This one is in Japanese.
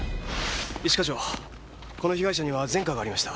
一課長この被害者には前科がありました。